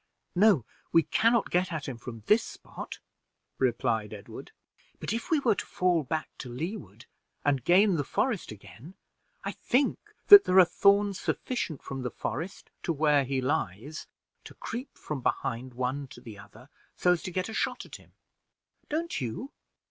"No, we can not get at him from this spot," replied Edward; "but if we were to fall back to leeward, and gain the forest again, I think that there are thorns sufficient from the forest to where he lies, to creep from behind one to the other, so as to get a shot at him, don't you?"